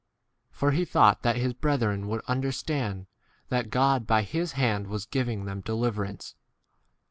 For he thought that his brethren would understand that God by his hand was giving them deliverance.